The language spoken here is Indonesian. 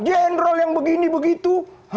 jenderal yang begini begitu